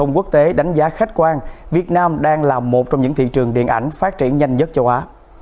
quốc tế đánh giá khách quan việt nam đang là một trong những thị trường điện ảnh phát triển nhanh nhất châu á